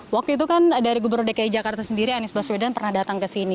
waktu itu kan dari gubernur dki jakarta sendiri anies baswedan pernah datang ke sini